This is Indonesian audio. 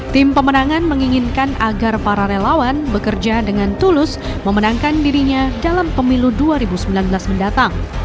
tim pemenangan menginginkan agar para relawan bekerja dengan tulus memenangkan dirinya dalam pemilu dua ribu sembilan belas mendatang